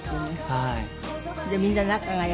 はい。